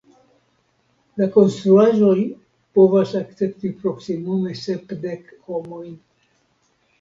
La konstruaĵoj povas akcepti proksimume sepdek homojn.